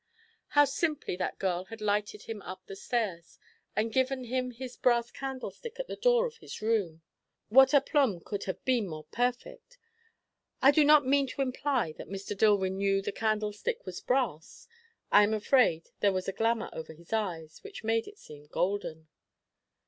How simply that girl had lighted him up the stairs, and given him his brass candlestick at the door of his room! What à plomb could have been more perfect! I do not mean to imply that Mr. Dillwyn knew the candlestick was brass; I am afraid there was a glamour over his eyes which made it seem golden.